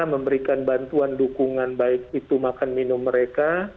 memberikan bantuan dukungan baik itu makan minum mereka